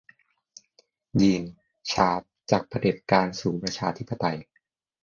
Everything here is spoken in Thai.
ยีน ชาร์ป - จากเผด็จการสู่ประชาธิปไตย